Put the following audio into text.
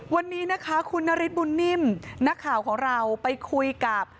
วันนี้นะคะคุณนฤทธบุญนิ่มนักข่าวของเราไปคุยกับ